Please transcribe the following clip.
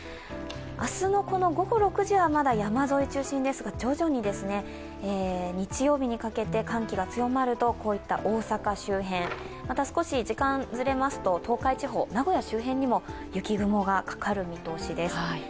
明日の午後６時はまだ山沿い中心ですが徐々に日曜日にかけて寒気が強まると大阪周辺、また少し時間がずれますと東海地方、名古屋周辺にも雪雲がかかる見通しです。